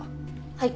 はい。